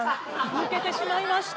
抜けてしまいました。